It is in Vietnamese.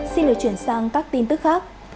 xin lời chuyển sang các tin tức khác